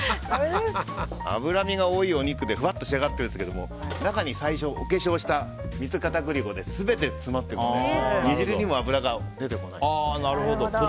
脂身が多いお肉でふわっと仕上がっているんですが中に最初、お化粧した水溶き片栗粉で全て詰まっているので、煮汁にも脂が出てこないんです。